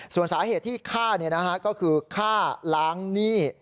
ส่วนสาเหตุที่ฆ่าก็คือฆ่าล้างหนี้